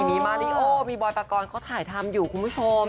มีมาริโอมีบอยปกรณ์เขาถ่ายทำอยู่คุณผู้ชม